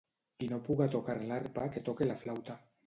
Qui no puga tocar l'arpa que toque la flauta.